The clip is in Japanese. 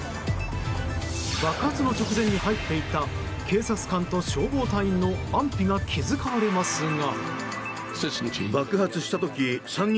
爆発の直前に入っていった警察官と消防隊員の安否が気遣われますが。